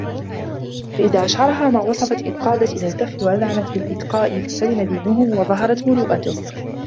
فَإِذَا أَشْعَرهَا مَا وَصَفْتُ انْقَادَتْ إلَى الْكَفِّ وَأَذْعَنَتْ بِالِاتِّقَاءِ فَسَلِمَ دِينُهُ وَظَهَرَتْ مُرُوءَتُهُ